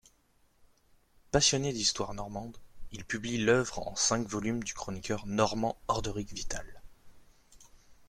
Passionné d’histoire normande, il publie l’œuvre en cinq volumes du chroniqueur normand Orderic Vital.